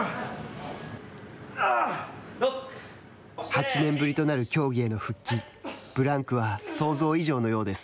８年ぶりとなる競技への復帰ブランクは想像以上のようです。